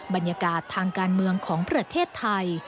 บรรยากาศทางการเมืองของประเทศไทย